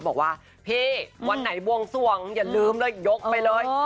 บอกว่าพี่วันไหนบวงสวงอย่าลืมเลยยกไปเลย